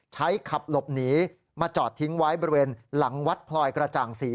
ขับหลบหนีมาจอดทิ้งไว้บริเวณหลังวัดพลอยกระจ่างศรี